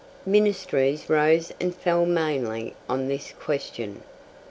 Ministries rose and fell mainly on this question.